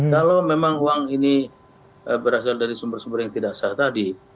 kalau memang uang ini berasal dari sumber sumber yang tidak sah tadi